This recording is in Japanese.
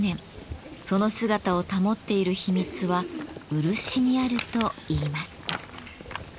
その姿を保っている秘密は「漆」にあるといいます。